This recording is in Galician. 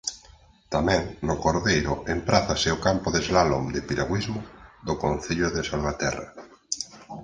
Tamén no Cordeiro emprázase o campo de slálom de piragüismo do concello de Salvaterra.